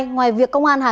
ngoài việc công an đã đặt